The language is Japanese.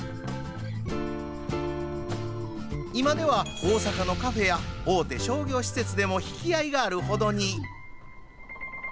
今では大阪の家具や大手商業施設でも引き合いがあるほどに。